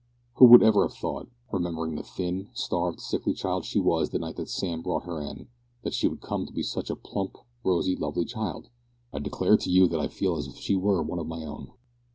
Who would ever have thought, remembering the thin starved sickly child she was the night that Sam brought her in, that she would come to be such a plump, rosy, lovely child? I declare to you that I feel as if she were one of my own."